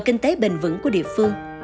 và kinh tế bình vững của địa phương